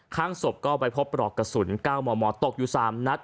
ข้างศพก็ไปพบปลอกกระสุน๙มมตกอยู่๓นัด